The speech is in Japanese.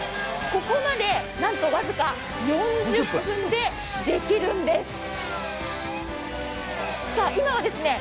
ここまで、なんと僅か４０分でできるんです。